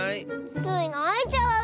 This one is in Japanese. スイないちゃうよ。